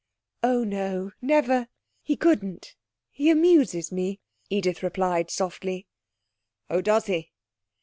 'Oh no. Never. He couldn't. He amuses me,' Edith replied softly. 'Oh, does he?...